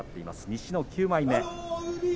西の９枚目。